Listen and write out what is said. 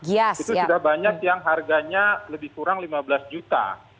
itu sudah banyak yang harganya lebih kurang lima belas juta